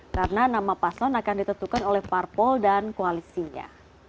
karena nama paslon akan ditentukan oleh parpol dan koalisinya